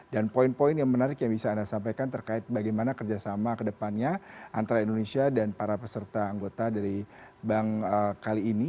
dan poin poin yang menarik yang bisa anda sampaikan terkait bagaimana kerjasama ke depannya antara indonesia dan para peserta anggota dari bank kali ini